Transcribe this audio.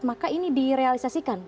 maka ini direalisasikan